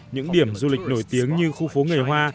những điểm du lịch nổi tiếng như khu phố nghề hoa